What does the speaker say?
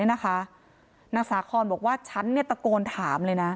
นางสาคอนบอกว่าฉันตะโกนถามเลยนะ